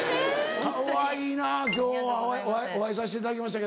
かわいいな今日お会いさせていただきましたけども。